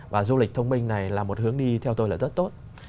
và du lịch thông minh này là một hướng đi theo tôi là rất tốt